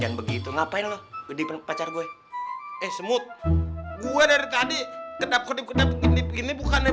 jajan begitu ngapain lu di pacar gue eh semut gue dari tadi kedap kedap ini bukannya